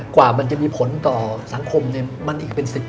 กว่ามันจะมีผลต่อสังคมเนี่ยมันอีกเป็น๑๐